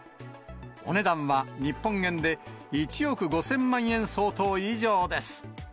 お値段は日本円で１億５０００万円相当以上です。